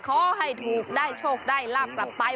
ขอให้ถูกได้โชคได้ลาบกลับไป